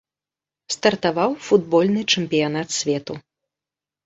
Стартаваў футбольны чэмпіянат свету.